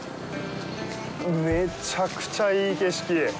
めちゃくちゃいい景色！